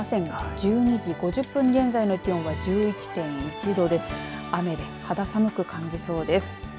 １２時５０分現在の気温が１１．１度で雨で肌寒く感じそうです。